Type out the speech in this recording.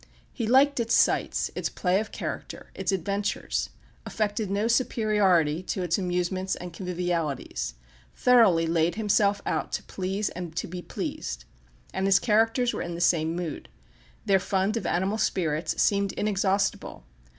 He liked its sights, its play of character, its adventures affected no superiority to its amusements and convivialities thoroughly laid himself out to please and to be pleased. And his characters were in the same mood. Their fund of animal spirits seemed inexhaustible.